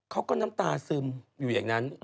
น้ำตาซึมอยู่อย่างนั้น